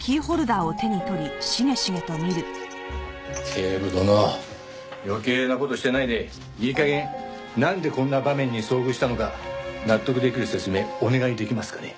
警部殿余計な事してないでいい加減なんでこんな場面に遭遇したのか納得できる説明お願いできますかね？